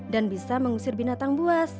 dan bisa mengusir binatang buas